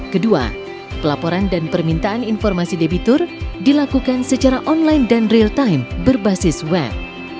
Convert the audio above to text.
kedua pelaporan dan permintaan informasi debitur dilakukan secara online dan real time berbasis web